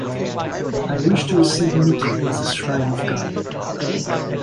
I wish to receive Miki as the Shrine of God.